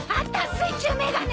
水中メガネ！